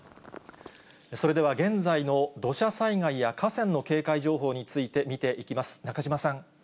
それでは現在の土砂災害や河川の警戒情報について見ていきます。